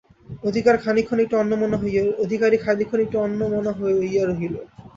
অধিকারী খানিকক্ষণ একটু অন্যমনা হইয়া রহিল।